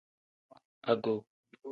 Ago.